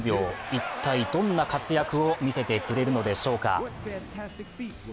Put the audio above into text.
一体どんな活躍を見せてくれるのでしょうか。